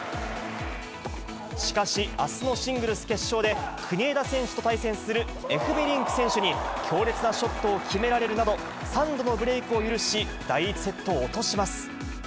しかし、あすのシングルス決勝で、国枝選手と対戦するエフベリンク選手に強烈なショットを決められるなど、３度のブレークを許し、第１セットを落とします。